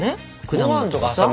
果物とかさ。